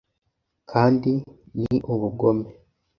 kandi ni ubugome.